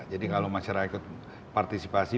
jadi kalau masyarakat partisipasi